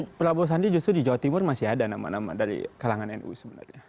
tapi prabowo sandi justru di jawa timur masih ada nama nama dari kalangan nu sebenarnya